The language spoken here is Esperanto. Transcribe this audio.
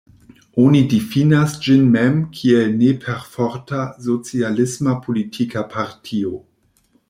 Oni difinas ĝin mem kiel ne-perforta socialisma politika partio.